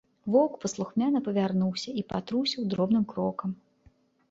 Воўк паслухмяна павярнуўся і патрусіў дробным крокам.